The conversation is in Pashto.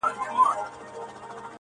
پر هېزګاره وو سایه د پاک سبحان وو٫